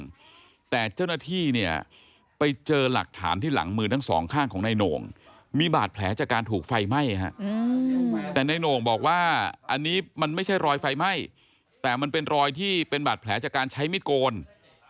แต่เจ้าหน้าที่เนี่ยไปเจอหลักฐานที่หลังมือทั้งสองข้างของนายโหน่งมีบาดแผลจากการถูกไฟไหม้ฮะแต่นายโหน่งบอกว่าอันนี้มันไม่ใช่รอยไฟไหม้แต่มันเป็นรอยที่เป็นบาดแผลจากการใช้มิดโกน